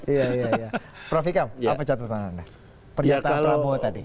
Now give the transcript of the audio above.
iya iya prof ikam apa catatan anda pernyataan prabowo tadi